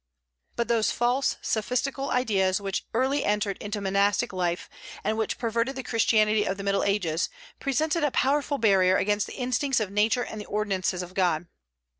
But those false, sophistical ideas which early entered into monastic life, and which perverted the Christianity of the Middle Ages, presented a powerful barrier against the instincts of nature and the ordinances of God.